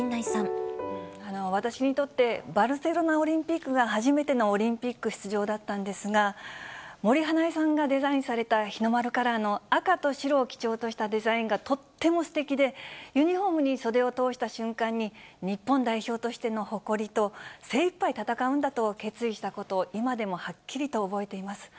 私にとって、バルセロナオリンピックが初めてのオリンピック出場だったんですが、森英恵さんがデザインされた日の丸カラーの赤と白を基調としたデザインがとってもすてきで、ユニホームに袖を通した瞬間に、日本代表としての誇りと、精いっぱい戦うんだと決意したことを今でもはっきりと覚えています。